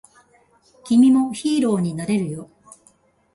君もヒーローになれるよ